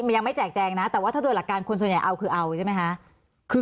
ยังไม่แจกแจงนะแต่ว่าถ้าโดยหลักการคนส่วนใหญ่เอาคือเอาใช่ไหมคะ